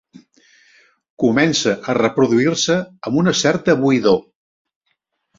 Comença a reproduir-se amb una certa buidor.